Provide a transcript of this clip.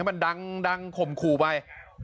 ให้มันดังขมครูไว้